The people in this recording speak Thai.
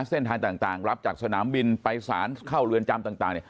เส้นทางต่างรับจากสนามบินไปสารเข้าเรือนจำต่าง